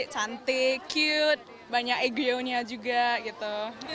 cantik cute banyak egonya juga gitu